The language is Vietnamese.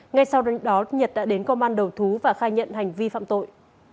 ngay sau đó nhật đã đến công an đầu thú và khai nhận hành vi phạm tội